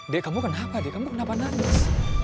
dek kamu kenapa dia kamu kenapa nangis